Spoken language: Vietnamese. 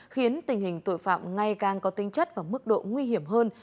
khiến tình hình tội phạm ngày càng có tinh chất và mức độ nguy hiểm hơn